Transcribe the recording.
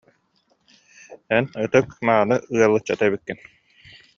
Эн ытык, мааны ыал ыччата эбиккин